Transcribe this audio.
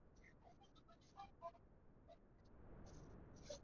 多脉短筒苣苔为苦苣苔科短筒苣苔属下的一个种。